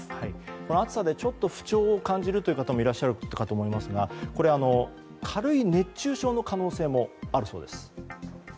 この暑さで不調を感じる方もいらっしゃるかと思いますがこれ、軽い熱中症の可能性もあるそうです。